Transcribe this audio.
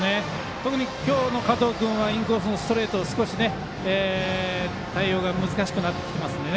特に今日の加藤君はインコースのストレート対応が難しくなってきてますので。